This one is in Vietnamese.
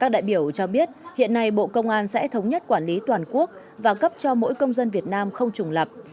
các đại biểu cho biết hiện nay bộ công an sẽ thống nhất quản lý toàn quốc và cấp cho mỗi công dân việt nam không trùng lập